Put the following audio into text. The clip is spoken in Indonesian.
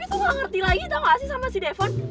iih gue tuh gak ngerti lagi tau gak sih sama si devon